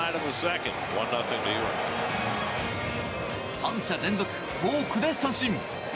３者連続フォークで三振。